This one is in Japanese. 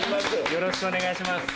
よろしくお願いします。